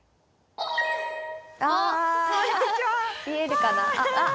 見えるかな。